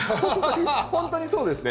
本当にそうですね。